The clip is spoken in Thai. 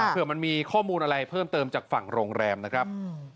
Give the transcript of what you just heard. เผื่อมันมีข้อมูลอะไรเพิ่มเติมจากฝั่งโรงแรมนะครับ